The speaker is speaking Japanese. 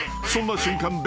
［そんな瞬間